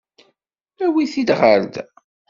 Awi-t-id ɣer da.